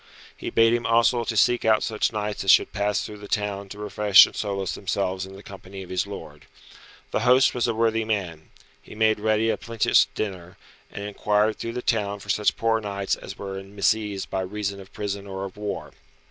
He bade him also to seek out such knights as should pass through the town to refresh and solace themselves in the company of his lord. The host was a worthy man. He made ready a plenteous dinner, and inquired through the town for such poor knights as were in misease by reason of prison or of war.